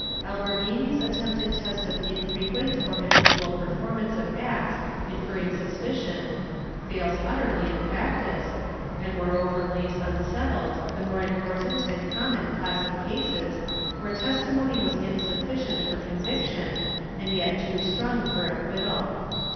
Alberghini's attempted test of infrequent or habitual performance of acts inferring suspicion fails utterly in practice and moreover leaves unsettled the more important and common class of cases where testimony was insufficient for conviction and yet too strong for acquittal.